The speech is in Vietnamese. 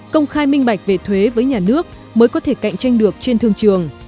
công khai minh bạch về thuế với nhà nước mới có thể cạnh tranh được trên thương trường